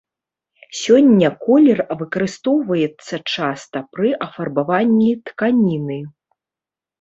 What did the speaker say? Сёння колер выкарыстоўваецца часта пры афарбаванні тканіны.